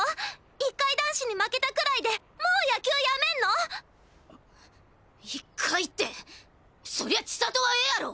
１回男子に負けたくらいでもう野球やめんの⁉１回ってそりゃ千里はええやろ！